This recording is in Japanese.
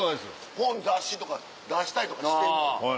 本雑誌とか出したりとかしてるのよ。